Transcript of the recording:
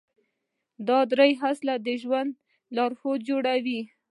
دا درې اصله د ژوند لارښود جوړوي.